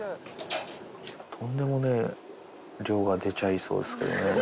とんでもねぇ量が出ちゃいそうですけどね。